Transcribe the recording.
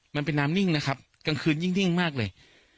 มันเป็นน้ำนิ่งนะครับกลางคืนยิ่งมากเลย